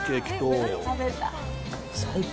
最高。